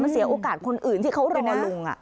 มันเสียโอกาสคนอื่นที่เขารอหลวง